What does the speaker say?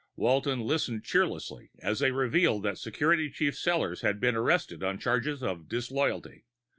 Walton listened cheerlessly as they revealed that Security Chief Sellors had been arrested on charges of disloyalty.